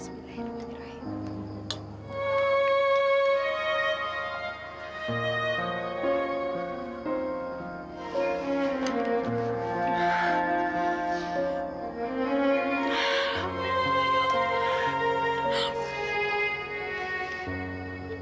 eh kak fadil